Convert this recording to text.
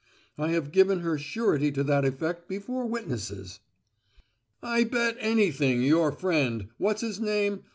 I have given her surety to that effect before witnesses." "I bet anything your friend—what's his name?